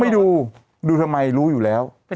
ดูดูทำไมรู้อยู่แล้ว